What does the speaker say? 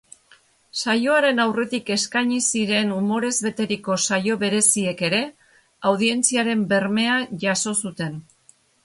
Saioaren aurretik eskaini ziren umorez beteriko saio bereziek ere audientziaren bermea jaso zuten.